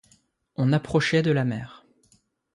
On approchait de la mer.